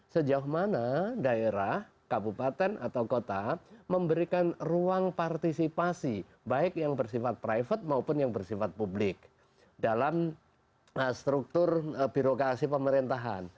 sejauh mana daerah kabupaten atau kota memberikan ruang partisipasi baik yang bersifat private maupun yang bersifat publik dalam struktur birokrasi pemerintahan